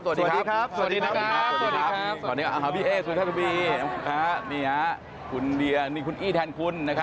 สวัสดีครับสวัสดีครับ